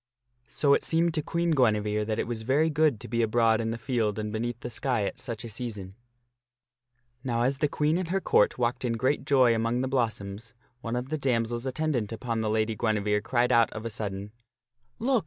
So it seemed to Queen Guinevere that it was very good to be abroad in the field and beneath the sky at such a season. 20 6 THE STORY OF SIR PELLIAS Now as the Queen and her Court walked in great joy among the blos soms, one of the damsels attendant upon the Lady Guinevere cried out of a sudden, "Look!